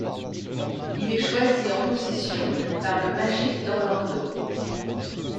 Il est choisi en position par le Magic d'Orlando.